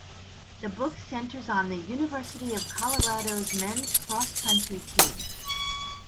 The book centers on the University of Colorado's men's cross country team.